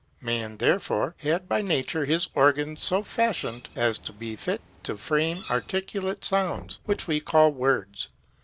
Man, therefore, had by nature his organs so fashioned, as to be fit to frame articulate sounds, which we call words.